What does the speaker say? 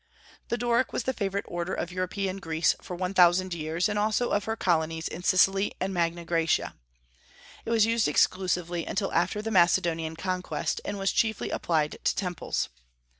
The Doric was the favorite order of European Greece for one thousand years, and also of her colonies in Sicily and Magna Graecia. It was used exclusively until after the Macedonian conquest, and was chiefly applied to temples.